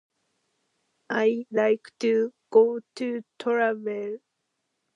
I like to go to travel.